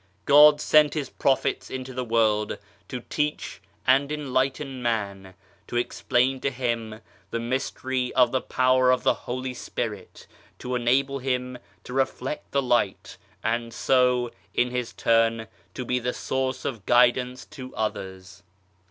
God sent His Prophets into the world to teach and enlighten man, to explain to him the mystery of the Power of the Holy Spirit, to enable him to reflect the light, and so, in his turn, to be the source of guidance to others.